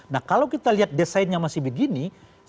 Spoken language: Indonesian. nah kalau kita lihat desainnya masih begini